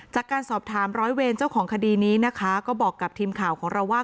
จากการสอบถามร้อยเวรเจ้าของคดีนี้นะคะก็บอกกับทีมข่าวของเราว่า